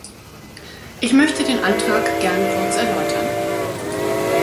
Ich möchte den Antrag gern kurz erläutern.